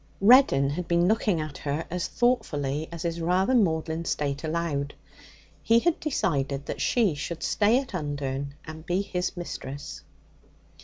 Reddin had been looking at her as thoughtfully as his rather maudlin state allowed. He had decided that she should stay at Undern and be his mistress.